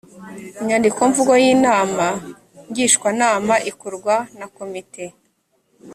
inyandikomvugo y’inama ngishwanama ikorwa na komite